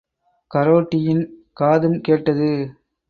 கரோட்டியின் காதும் கேட்டது.